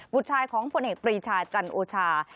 บุตรชายของผลเหตุปรีชาจันทร์โอชา